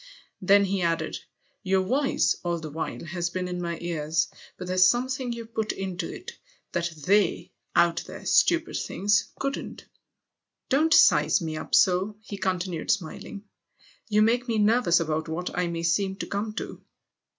Then he added :" Your voice, all the while, has been in my irs. But there's something you put into it that icy out there, stupid things ! couldn't. Don't size me up' so," he continued smiling; "you lake me nervous about what I may seem to come to!"